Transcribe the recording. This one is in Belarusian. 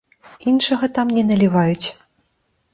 Іншага там не наліваюць.